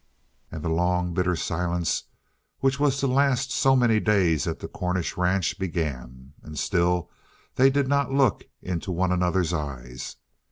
And the long, bitter silence which was to last so many days at the Cornish ranch began. And still they did not look into one another's eyes.